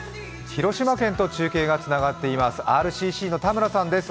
広島県と中継がつながっています、ＲＣＣの田村さんです。